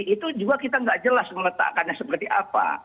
itu juga kita nggak jelas meletakkannya seperti apa